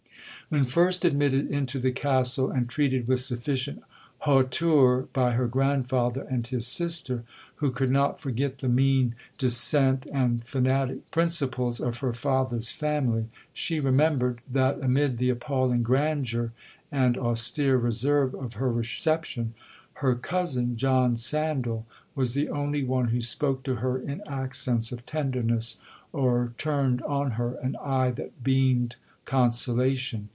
'When first admitted into the Castle, and treated with sufficient hauteur by her grandfather and his sister, who could not forget the mean descent and fanatic principles of her father's family, she remembered, that, amid the appalling grandeur and austere reserve of her reception, her cousin, John Sandal, was the only one who spoke to her in accents of tenderness, or turned on her an eye that beamed consolation.